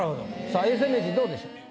さあ永世名人どうでしょう？